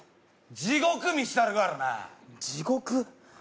地獄見したるからな地獄？